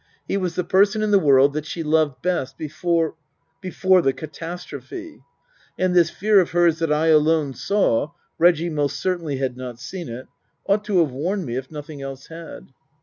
He was the person in the world that she loved best, before before the catastrophe. And this fear of hers that I alone saw (Reggie most certainly had not seen it) ought to have warned me if nothing else had.